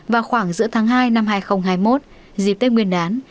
vào khoảng giữa tháng hai năm hai nghìn hai mươi một dịp tết nguyên đán